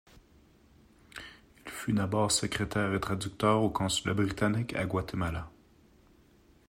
Il fut d'abord secrétaire et traducteur au consulat britannique à Guatemala.